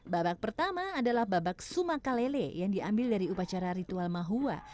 babak pertama adalah babak sumakalele yang diambil dari upacara ritual mahua